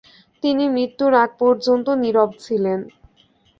তিনি মৃত্যুর আগ পর্যন্ত নীরব ছিলেন।